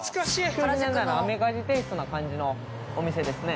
９０年代のアメカジテイストな感じのお店ですね。